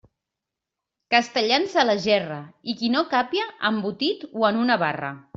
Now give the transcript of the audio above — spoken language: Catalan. Castellans a la gerra, i qui no càpia, embotit, o en una barra.